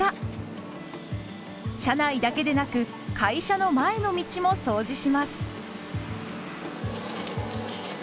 社内だけでなく会社の前の道も掃除します。